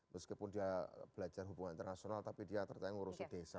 meskipun dia belajar hubungan internasional tapi dia tertayang ngurusin desa